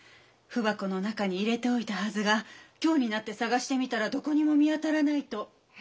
文箱の中に入れておいたはずが今日になって捜してみたらどこにも見当たらないと。